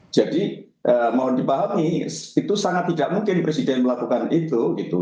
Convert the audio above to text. jadi mohon dipahami itu sangat tidak mungkin presiden melakukan itu